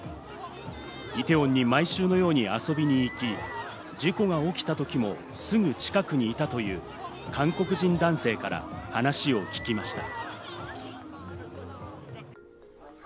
イテウォンに毎週のように遊びに行き、事故が起きた時もすぐ近くにいたという韓国人男性から話を聞きました。